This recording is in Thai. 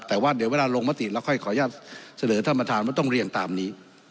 แต่ว่าเดี๋ยวเวลาลงมติแล้วค่อยขออนุญาตเสนอท่านประธานว่าต้องเรียนตามนี้